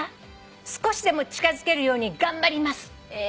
「少しでも近づけるように頑張ります」え。